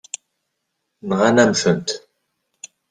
Nɣan-am-tent.